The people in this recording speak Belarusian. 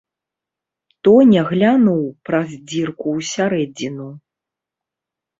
Тоня глянуў праз дзірку ў сярэдзіну.